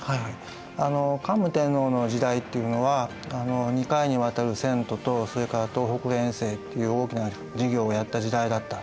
桓武天皇の時代っていうのは２回にわたる遷都とそれから東北遠征っていう大きな事業をやった時代だった。